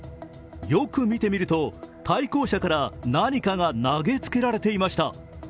よく見てみると、対向車から何かが投げつけられていました。